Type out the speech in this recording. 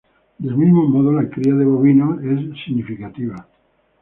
Del mismo modo la cría de bovinos es significativa.